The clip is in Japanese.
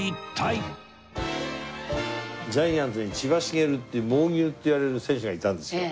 ジャイアンツに千葉茂っていう「猛牛」っていわれる選手がいたんですよ。